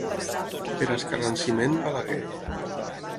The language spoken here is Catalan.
Per escarransiment, Balaguer.